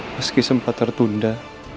meski sempat tertunda